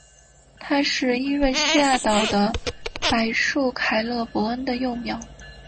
它是伊瑞西亚岛的白树凯勒博恩的幼苗。